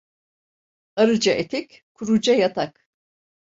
Arıca etek, kuruca yatak.